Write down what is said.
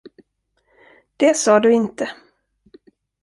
Det sa du inte.